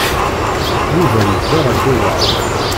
Yuba yedda ɣef uḍaṛ.